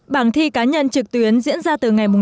bảng thi cá nhân trực tuyến diễn ra từ ngày một mươi bốn